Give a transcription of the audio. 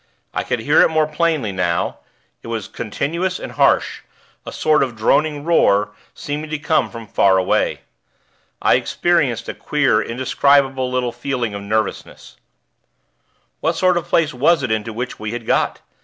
I could hear it more plainly now; it was continuous and harsh a sort of droning roar, seeming to come from far away. I experienced a queer, indescribable, little feeling of nervousness. What sort of place was it into which we had got?